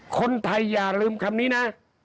คนไทยอย่าลืมคำนี้นะ